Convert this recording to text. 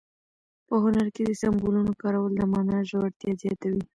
په هنر کې د سمبولونو کارول د مانا ژورتیا زیاتوي.